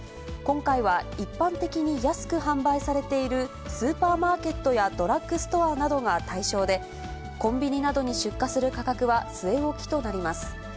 今回は一般的に安く販売されている、スーパーマーケットやドラッグストアなどが対象で、コンビニなどに出荷する価格は据え置きとなります。